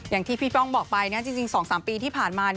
อย่างที่พี่ป้องบอกไปจริง๒๓ปีที่ผ่านมา